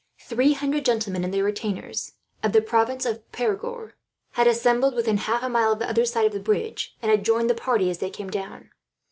Three hundred gentlemen and their retainers, of the province of Perigord, had assembled within half a mile of the other side of the bridge, and had joined the party as they came down.